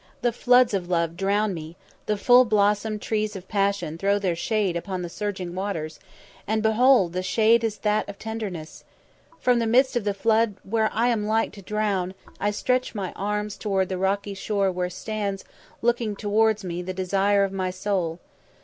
The floods of love drown me, the full blossomed trees of passion throw their shade upon the surging waters, and, behold, the shade is that of tenderness. From the midst of the flood where I am like to drown, I stretch my arms towards the rocky shore where stands, looking towards me, the desire of my soul.